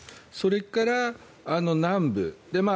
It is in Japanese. それから、南部。